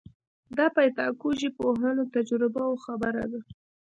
د پیداکوژۍ پوهانو تجربه او خبره ده.